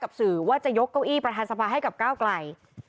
สื่อว่าจะยกเก้าอี้ประธานสภาให้กับก้าวไกล